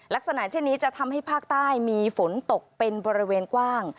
ลักษณะเช่นนี้จะทำให้ภาคใต้มีฝนตกเป็นบริเวณกว้าง